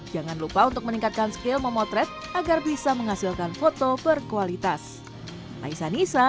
jangan lupa untuk meningkatkan skill memotret agar bisa menghasilkan foto berkualitas